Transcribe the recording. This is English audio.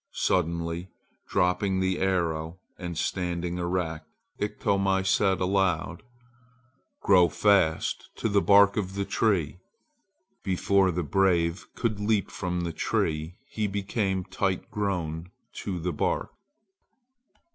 Suddenly dropping the arrow and standing erect, Iktomi said aloud: "Grow fast to the bark of the tree!" Before the brave could leap from the tree he became tight grown to the bark.